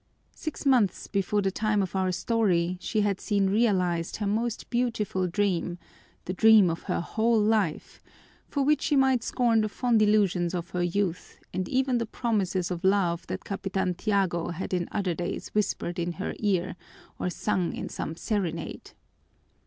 Six months before the time of our story she had seen realized her most beautiful dream, the dream of her whole life, for which she might scorn the fond illusions of her youth and even the promises of love that Capitan Tiago had in other days whispered in her ear or sung in some serenade.